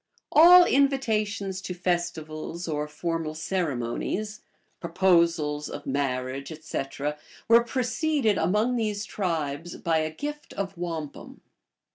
So 1 All invitations to festivals, or formal ceremonies, proposals >f marriage, etc., were preceded among these tribes by a gift of wampum.